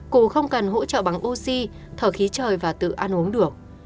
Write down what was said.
cụ không cần hỗ trợ bằng oxy thở khí trời và tự ăn uống được